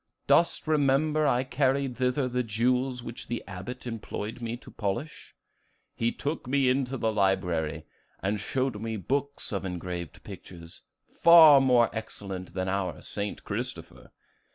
Dost remember I carried thither the jewels which the Abbot employed me to polish? He took me into the library, and showed me books of engraved pictures, each far more excellent than our 'St. Christopher.